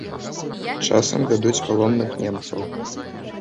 Часам вядуць палонных немцаў.